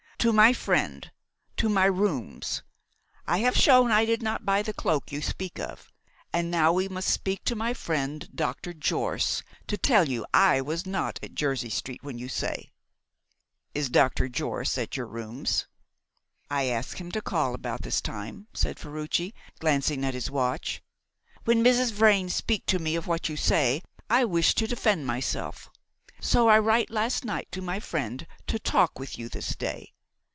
"To my friend to my rooms. I have shown I did not buy the cloak you speak of. Now we must find my friend, Dr. Jorce, to tell you I was not at Jersey Street when you say." "Is Dr. Jorce at your rooms?" "I asked him to call about this time," said Ferruci, glancing at his watch. "When Mrs. Vrain speak to me of what you say I wish to defend myself, so I write last night to my friend to talk with you this day.